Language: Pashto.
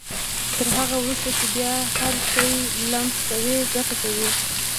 تر هغه وروسته چې بيا هر شی لمس کوئ ګټه کوي.